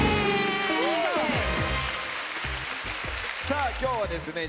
さあ今日はですね